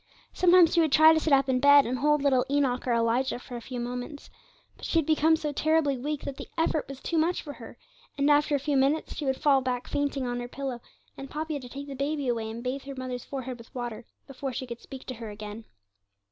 Sometimes she would try to sit up in bed, and hold little Enoch or Elijah for a few moments: but she had become so terribly weak that the effort was too much for her, and after a few minutes she would fall back fainting on her pillow, and Poppy had to take the baby away and bathe her mother's forehead with water before she could speak to her again.